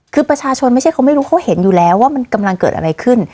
คือประชาชนไม่ใช่เขาไม่รู้เขาเห็นอยู่แล้วว่ามันกำลังเกิดอะไรขึ้น